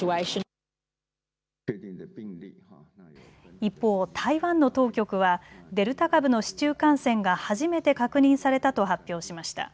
一方、台湾の当局はデルタ株の市中感染が初めて確認されたと発表しました。